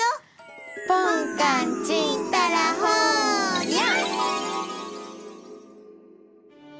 ぽんかんちんたらほにゃ！